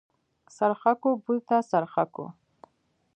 څرخکو بوته څرخکو.